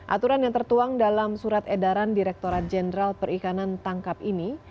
aturan yang tertuang dalam surat edaran direkturat jenderal perikanan tangkap ini